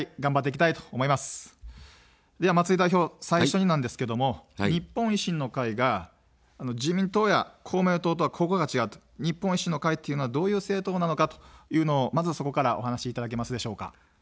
では、松井代表、最初になんですけども日本維新の会が自民党や公明党とはここが違う、日本維新の会というのはどういう政党なのかというのをまずそこからお話しいただけますでしょうか。